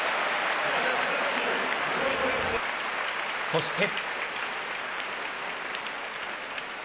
そして。